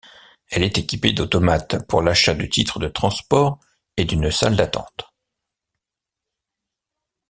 Elle est équipée d'automates pour l'achat de titres de transport et d'une salle d'attente.